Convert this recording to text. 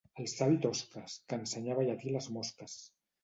El savi Tosques, que ensenyava llatí a les mosques.